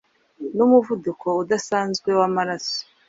n’umuvuduko udasanzwe w’amaraso